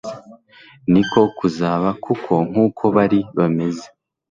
ni ko kuzaba kuko nkuko bari bameze